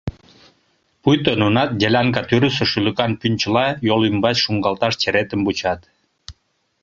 Пуйто нунат делянка тӱрысӧ шӱлыкан пӱнчыла йол ӱмбач шуҥгалташ черетым вучат.